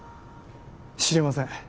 知りません